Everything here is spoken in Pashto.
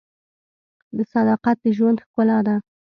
• صداقت د ژوند ښکلا ده.